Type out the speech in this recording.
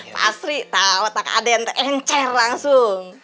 pasti tau otak aden te encer langsung